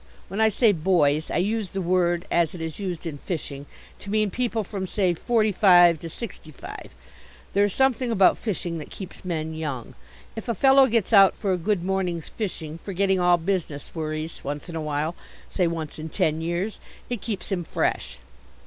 When I say "boys," I use the word, as it is used in fishing, to mean people from say forty five to sixty five. There is something about fishing that keeps men young. If a fellow gets out for a good morning's fishing, forgetting all business worries, once in a while say, once in ten years it keeps him fresh.